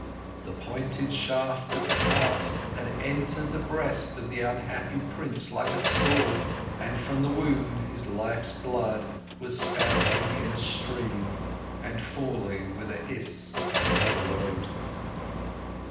The pointed shaft of the cart had entered the breast of the unhappy Prince like a sword, and from the wound his life's blood was spouting in a stream, and falling with a hiss into the road.